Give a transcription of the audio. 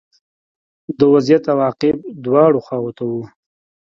د وضعیت عواقب دواړو خواوو ته وو